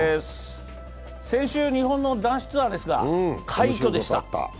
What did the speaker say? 先週、日本の男子ツアーですが、快挙でした。